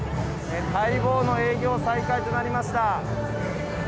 待望の営業再開となりました。